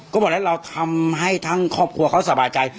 ก็บอกแล้วเราทำให้ทั้งครอบครัวเขาสบายใจ